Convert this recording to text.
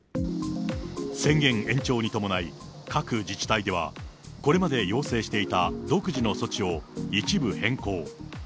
宣言延長に伴い、各自治体では、これまで要請していた独自の措置を一部変更。